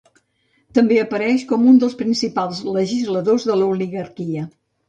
També apareix com un dels principals legisladors de l'oligarquia.